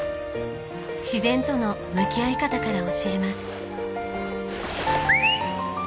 自然との向き合い方から教えます。